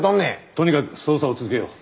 とにかく捜査を続けよう。